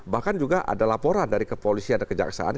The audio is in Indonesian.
bahkan juga ada laporan dari kepolisian dan kejaksaan